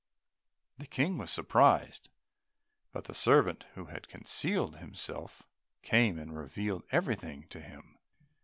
The King was surprised, but the servant who had concealed himself came and revealed everything to him.